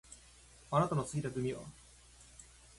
あなたの好きなグミは？